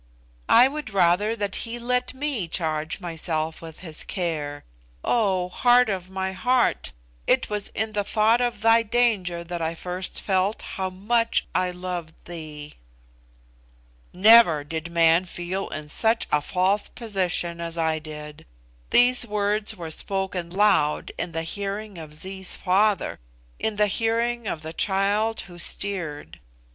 "I would rather that he let me charge myself with his care. Oh, heart of my heart, it was in the thought of thy danger that I first felt how much I loved thee!" Never did man feel in such a false position as I did. These words were spoken loud in the hearing of Zee's father in the hearing of the child who steered.